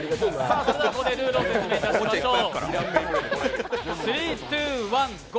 ここでルールを説明いたしましょう。